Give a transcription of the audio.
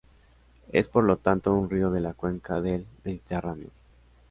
Es, por lo tanto, un río de la Cuenca del Mediterráneo.